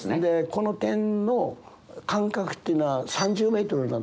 この点の間隔っていうのは３０メートルなんです。